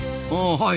はい。